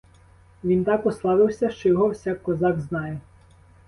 Він так уславився, що його всяк козак знає.